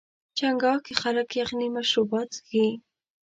چنګاښ کې خلک یخني مشروبات څښي.